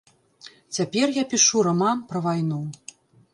Цяпер я пішу раман пра вайну.